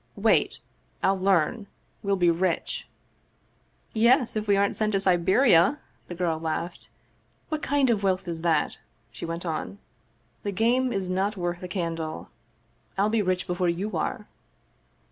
"Wait! I'll learn. We'll be rich !" "Yes, if we aren't sent to Siberia!" the girl laughed. " What kind of wealth is that ?" she went on. " The game is not worth the candle. I'll be rich before you are."